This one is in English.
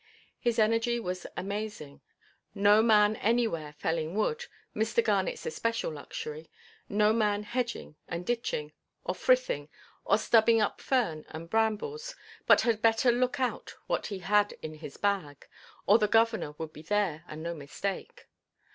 His energy was amazing. No man anywhere felling wood—Mr. Garnetʼs especial luxury—no man hedging and ditching, or frithing, or stubbing up fern and brambles, but had better look out what he had in his bag, or "the governor would be there, and no mistake."